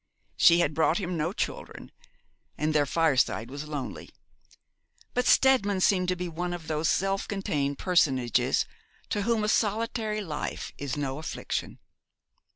She had brought him no children, and their fireside was lonely; but Steadman seemed to be one of those self contained personages to whom a solitary life is no affliction.